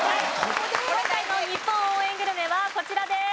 今回の日本応援グルメはこちらです。